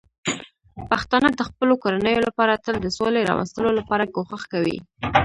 پښتانه د خپلو کورنیو لپاره تل د سولې راوستلو لپاره کوښښ کوي.